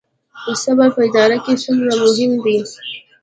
صبر په اداره کې څومره مهم دی؟